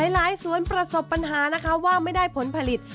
หลายสวนประสบปัญหานะคะว่าไม่ได้ผลผลิต